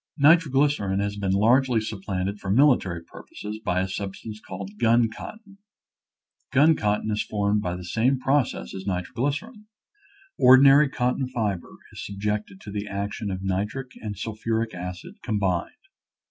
Nitroglycerin has been largely supplanted for military purposes by a substance called gun cotton. Gun cotton is formed by the same process as nitroglycerin. Ordinary cot ton fiber is subjected to the action of nitric and sulphuric acid combined.